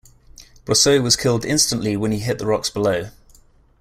Brosseau was killed instantly when he hit the rocks below.